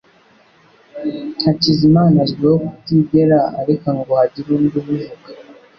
Hakizamana azwiho kutigera areka ngo hagire undi ubivuga.